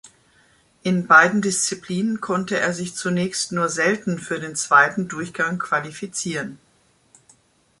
In beiden Disziplinen konnte er sich zunächst nur selten für den zweiten Durchgang qualifizieren.